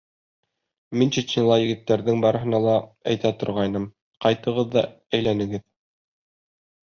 Мин Чечняла егеттәрҙең барыһына ла әйтә торғайным: ҡайтығыҙ ҙа әйләнегеҙ.